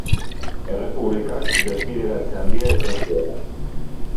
Errepublikak desbideratze handia izan zuela.